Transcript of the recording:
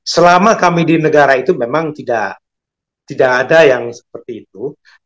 selama kami di negara itu memang tidak ada yang seperti itu